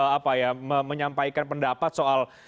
apa ya menyampaikan pendapat soal